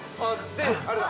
◆で、あれだ。